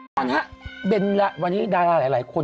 แล้วนะครับเป็นละวันนี้ดาราหลายคน